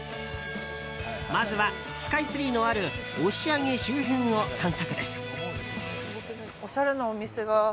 まずはスカイツリーのある押上周辺を散策です。